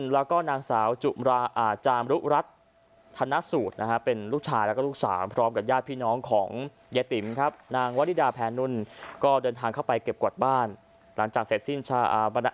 แล้วก็นางสาวจุมราอาจารุรัตร